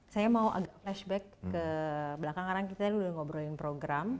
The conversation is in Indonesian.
saya mau agak flashback ke belakang kadang kita udah ngobrolin program